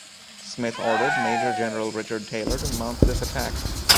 Smith ordered Major General Richard Taylor to mount this attack.